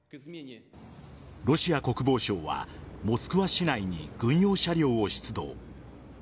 ロシア国防省はモスクワ市内に軍用車両を出動。